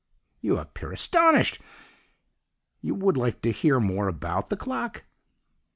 You appear astonished! You would like to hear more about the clock?